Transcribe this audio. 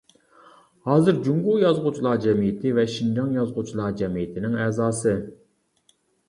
ھازىر جۇڭگو يازغۇچىلار جەمئىيىتى ۋە شىنجاڭ يازغۇچىلار جەمئىيىتىنىڭ ئەزاسى.